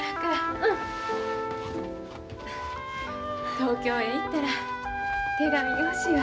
東京へ行ったら手紙欲しいわ。